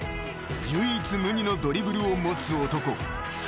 ［唯一無二のドリブルを持つ男］